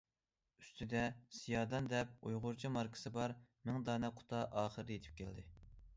ئۈستىدە« سىيادان» دەپ ئۇيغۇرچە ماركىسى بار مىڭ دانە قۇتا ئاخىر يېتىپ كەلدى.